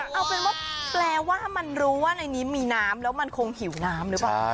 เอาเป็นว่าแปลว่ามันรู้ว่าในนี้มีน้ำแล้วมันคงหิวน้ำหรือเปล่า